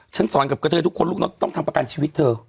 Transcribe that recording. ฉันสอนกับกระเทยทุกคนลูกน้องต้องทำประกันชีวิตเธอ